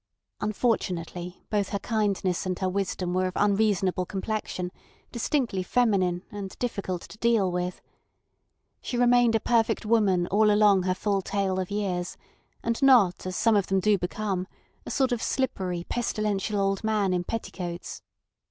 Unfortunately, both her kindness and her wisdom were of unreasonable complexion, distinctly feminine, and difficult to deal with. She remained a perfect woman all along her full tale of years, and not as some of them do become—a sort of slippery, pestilential old man in petticoats.